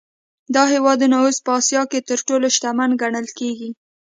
دا هېوادونه اوس په اسیا کې تر ټولو شتمن ګڼل کېږي.